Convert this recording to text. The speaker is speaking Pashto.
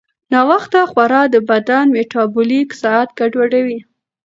ناوخته خورا د بدن میټابولیک ساعت ګډوډوي.